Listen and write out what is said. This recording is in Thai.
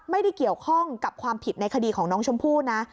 ไม่ได้เกี่ยวข้องกับความผิดในคดีของน้องชมพู่นะ